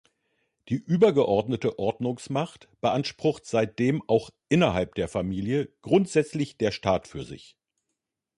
Die übergeordnete Ordnungsmacht beansprucht seitdem auch innerhalb der Familie grundsätzlich der Staat für sich.